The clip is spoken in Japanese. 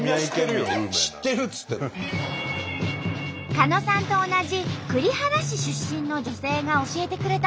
狩野さんと同じ栗原市出身の女性が教えてくれたのは。